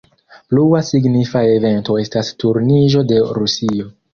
Plua signifa evento estas turniĝo de Rusio.